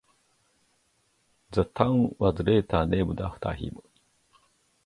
The town was later named after him.